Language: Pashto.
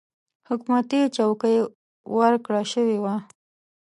حکومتي چوکۍ ورکړه شوې وه.